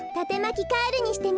カールにしてみたい。